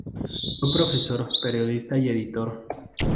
Fue profesor, periodista y editor.